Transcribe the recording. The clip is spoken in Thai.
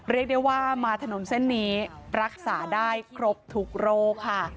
เรียกได้ว่ามาถนนเส้นนี้รักษาได้ครบทุกโรคค่ะ